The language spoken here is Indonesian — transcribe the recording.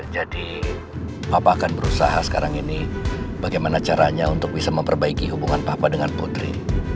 jadi papa akan berusaha sekarang ini bagaimana caranya untuk bisa memperbaiki hubungan papa dengan putri